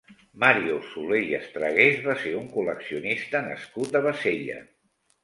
Màrius Soler i Estragués va ser un col·leccionista nascut a Bassella.